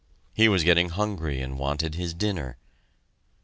He was getting hungry and wanted his dinner.